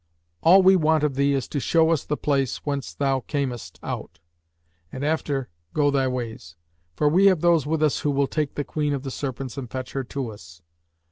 All we want of thee is to show us the place whence thou camest out and after go thy ways; for we have those with us who will take the Queen of the Serpents and fetch her to us."